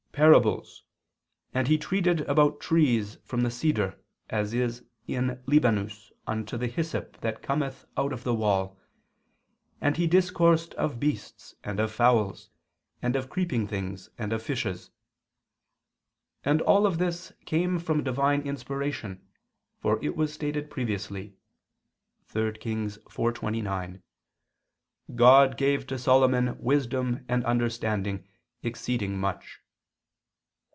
parables ... and he treated about trees from the cedar that is in Libanus unto the hyssop that cometh out of the wall, and he discoursed of beasts and of fowls, and of creeping things and of fishes": and all of this came from divine inspiration, for it was stated previously (3 Kings 4:29): "God gave to Solomon wisdom and understanding exceeding much."